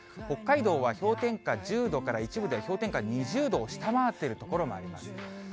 北海道は氷点下１０度から、一部では、氷点下２０度を下回っている所もあります。